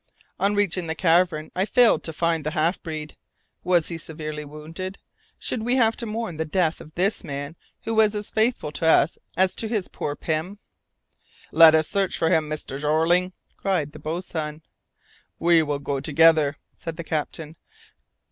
On reaching the cavern I failed to find the half breed. Was he severely wounded? Should we have to mourn the death of this man who was as faithful to us as to his "poor Pym"? "Let us search for him, Mr. Jeorling!" cried the boatswain. "We will go together," said the captain.